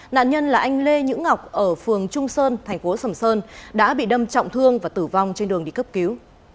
nạn nhân là anh lê nhữ ngọc ở phường trung sơn thành phố sầm sơn đã bị đâm trọng thương và tử vong trên đường đi cấp cứu